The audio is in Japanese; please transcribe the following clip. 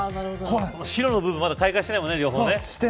白の部分はまだ開花してないよね、両方。